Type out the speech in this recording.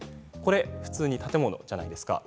普通に建物じゃないですか。